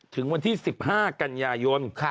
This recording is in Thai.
ถึงวันที่๑๕กันยายน